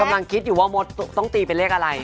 กำลังคิดอยู่ว่ามดต้องตีเป็นเลขอะไร